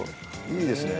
いいですね。